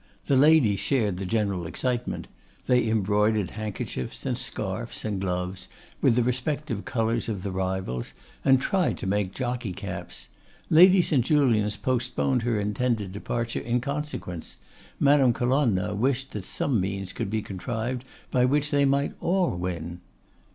The ladies shared the general excitement. They embroidered handkerchiefs, and scarfs, and gloves, with the respective colours of the rivals, and tried to make jockey caps. Lady St. Julians postponed her intended departure in consequence. Madame Colonna wished that some means could be contrived by which they might all win.